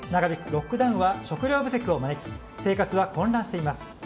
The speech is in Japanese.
ロックダウンは食料不足を招き生活は混乱しています。